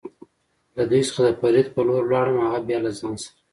له دوی څخه د فرید په لور ولاړم، هغه بیا له ځان سره.